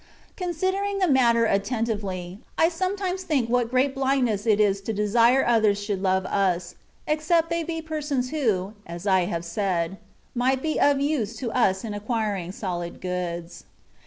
Considering the matter attentively, I sometimes think what great blindness it is to desire others should love us, except they be persons who (as I have said) might be of use to us in acquiring solid goods.